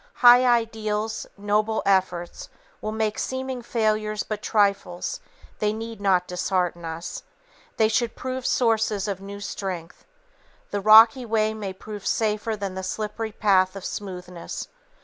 High ideals, noble efforts will make seeming failures but trifles, they need not dishearten us; they should prove sources of new strength. The rocky way may prove safer than the slippery path of smoothness.